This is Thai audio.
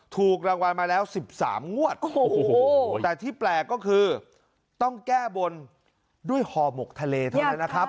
ถูกรางวัลมาแล้ว๑๓งวดโอ้โหแต่ที่แปลกก็คือต้องแก้บนด้วยห่อหมกทะเลเท่านั้นนะครับ